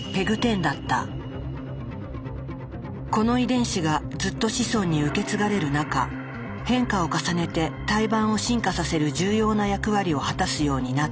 この遺伝子がずっと子孫に受け継がれる中変化を重ねて胎盤を進化させる重要な役割を果たすようになったという。